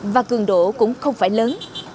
và cường độ cũng không phải lớn